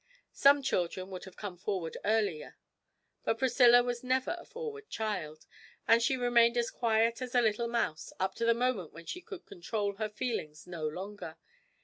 Some children would have come forward earlier, but Priscilla was never a forward child, and she remained as quiet as a little mouse up to the moment when she could control her feelings no longer.